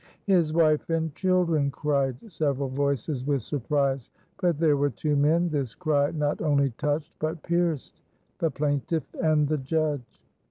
"His wife and children!" cried several voices with surprise; but there were two men this cry not only touched, but pierced the plaintiff and the judge.